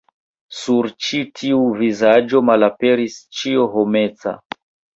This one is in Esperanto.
Sur ĉi tiu vizaĝo malaperis ĉio homeca.